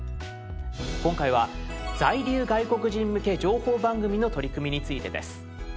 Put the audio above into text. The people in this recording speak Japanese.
今回は「在留外国人向け情報番組」の取り組みについてです。